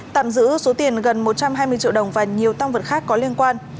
tạm giữ số tiền gần một trăm hai mươi triệu đồng và nhiều tăng vật khác có liên quan